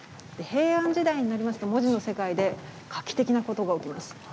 平安時代になりますと文字の世界で画期的なことが起きます。